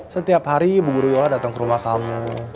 setiap hari ibu guru iola dateng ke rumah kamu